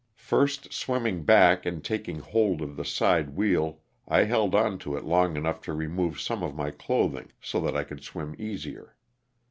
First swimming back and taking hold of the side wheel I held on to it long enough to remove some of my clothing so that I could swim easier.